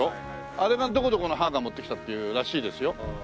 あれはどこどこの藩が持ってきたっていうらしいですよ。